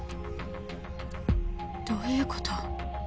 どういうこと？